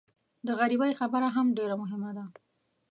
د غریبۍ خبره هم ډېره مهمه ده.